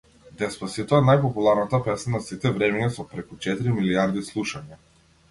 Деспасито е најпопуларната песна на сите времиња, со преку четири милијарди слушања.